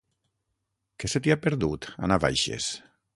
Què se t'hi ha perdut, a Navaixes?